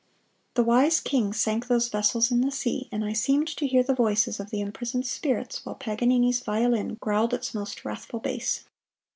The wise king sank those vessels in the sea and I seemed to hear the voices of the imprisoned spirits while Paganini's violin growled its most wrathful bass.